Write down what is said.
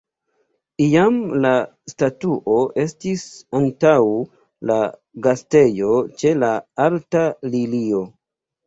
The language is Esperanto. Iam la statuo estis antaŭ la Gastejo ĉe la alta lilio.